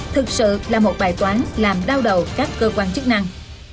thực sự là một bài toán làm đau đầu các cơ quan chức năng